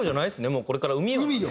もうこれから「海よ」。